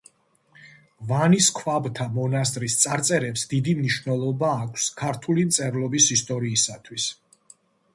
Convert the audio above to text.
ვანის ქვაბთა მონასტრის წარწერებს დიდი მნიშვნელობა აქვს ქართული მწერლობის ისტორიისათვის.